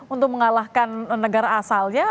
untuk mengalahkan negara asalnya